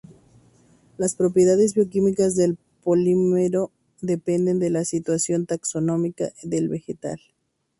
Las propiedades bioquímicas del polímero dependen de la situación taxonómica del vegetal.